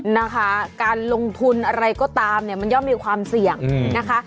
นะคะการลงทุนอะไรก็ตามเนี่ยมันย่อมมีความเสี่ยงนะคะ